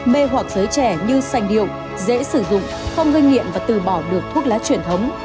mê hoặc giới trẻ như sanh điệu dễ sử dụng không gây nghiện và từ bỏ được thuốc lá truyền thống